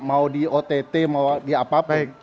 mau di ott mau di apa apa